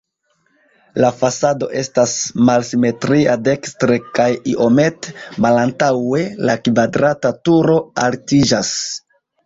La fasado estas malsimetria, dekstre kaj iomete malantaŭe la kvadrata turo altiĝas.